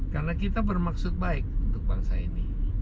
karena kita bermaksud baik untuk bangsa ini